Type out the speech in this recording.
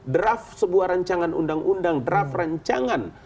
draft sebuah rancangan undang undang draft rancangan